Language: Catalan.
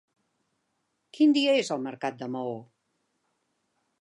Quin dia és el mercat de Maó?